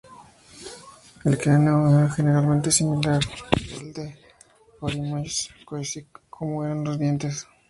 El cráneo era generalmente similar al de "Oryzomys couesi", como eran los dientes.